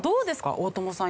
大友さん。